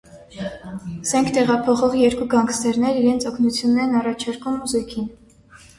Զենք տեղափոխող երկու գանգստերներ իրենց օգնությունն են առաջարկում զույգին։